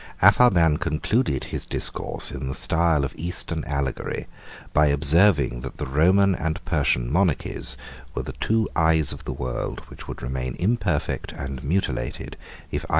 Apharban concluded his discourse in the style of eastern allegory, by observing that the Roman and Persian monarchies were the two eyes of the world, which would remain imperfect and mutilated if either of them should be put out.